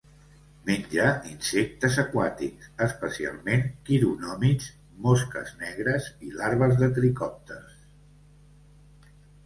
Menja insectes aquàtics, especialment quironòmids, mosques negres i larves de tricòpters.